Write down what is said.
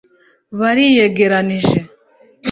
bariyegeranije